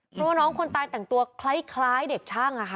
เพราะว่าน้องคนตายแต่งตัวคล้ายเด็กช่าง